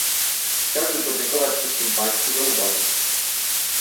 Chciałbym podziękować wszystkim Państwu za uwagi